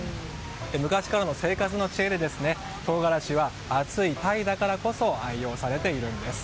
昔からの生活の知恵で、唐辛子は暑いタイだからこそ愛用されているんです。